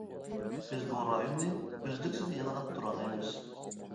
بىز بۇ رايوننى ئۆزلۈكسىز يېڭىلاپ تۇرالايمىز.